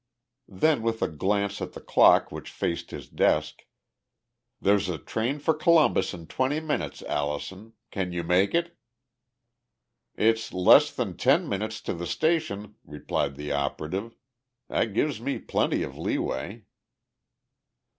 Then, with a glance at the clock which faced his desk, "There's a train for Columbus in twenty minutes, Allison. Can you make it?" "It's less than ten minutes to the station," replied the operative. "That gives me plenty of leeway."